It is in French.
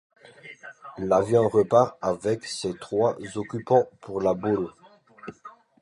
L'avion repart avec ses trois occupants pour La Baule.